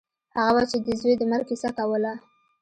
هغه به چې د زوى د مرګ کيسه کوله.